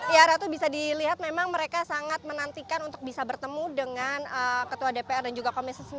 ya ratu bisa dilihat memang mereka sangat menantikan untuk bisa bertemu dengan ketua dpr dan juga komisi sembilan